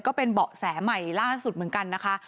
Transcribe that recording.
ก็เป็นเบาะแสใหม่ล่าสุดเหมือนกันนะคะ